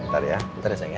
bentar ya bentar ya sayang ya